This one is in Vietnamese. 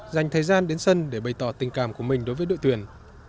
dành thời gian đến sân để bày tỏ tình cảm của mình đối với đội tuyển